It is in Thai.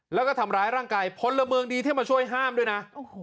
แล้วก็ทำร้ายร่างกายพลเมืองดีที่มาช่วยห้ามด้วยนะ